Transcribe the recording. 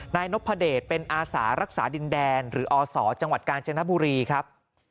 นายนพเดชเป็นอาสารักษาดินแดนหรืออศจังหวัดกาญจนบุรีครับ